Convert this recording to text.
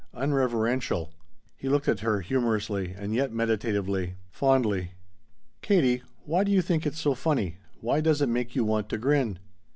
"Unreverential." He looked at her, humorously and yet meditatively fondly. "Katie, why do you think it's so funny? Why does it make you want to grin?"